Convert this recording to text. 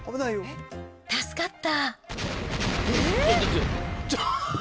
助かった。